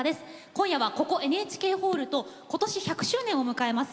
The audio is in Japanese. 今夜はここＮＨＫホールと今年１００周年を迎えます